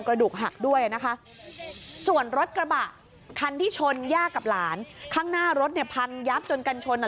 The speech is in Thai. กระดูกหักด้วยนะคะส่วนรถกระบะคันที่ชนย่ากับหลานข้างหน้ารถเนี่ยพังยับจนกันชนอ่ะ